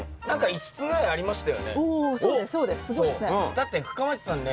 だって深町さんね